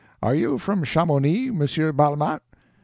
Are you from Chamonix, Monsieur Balmat?"